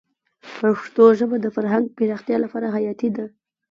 پښتو ژبه د فرهنګ پراختیا لپاره حیاتي ده.